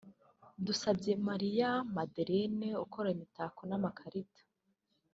Dusabyemariya Madeleine ukora imitako n’ amakarita